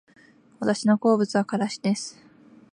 私の好物はからしです